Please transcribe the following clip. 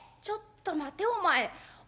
「ちょっと待てお前。